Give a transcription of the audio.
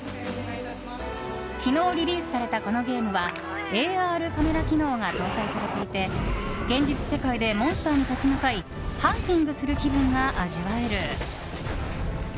昨日、リリースされたこのゲームはＡＲカメラ機能が搭載されていて現実世界でモンスターに立ち向かいハンティングする気分が味わえる。